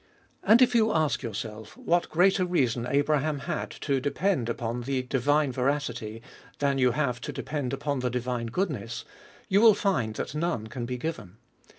And if you ask yourself, what greater reason Abraham had to depend upon the divine vera ^ city, tlian you have to depend upon the divine good ri6sy, you will find that none can be given.